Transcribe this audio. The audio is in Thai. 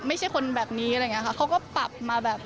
ไม่ใช่คนแบบนี้อะไรอย่างนี้ครับ